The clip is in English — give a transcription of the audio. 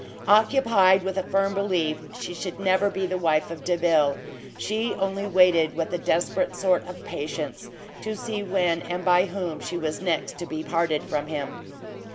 Occupied with a firm belief she should never be the wife of Delvile, she only waited, with a desperate sort of patience, to see when and by whom she was next to be parted from him.